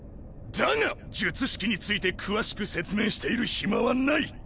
だが術式について詳しく説明している暇はない。